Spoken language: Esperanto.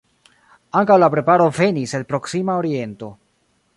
Ankaŭ la preparo venis el proksima oriento.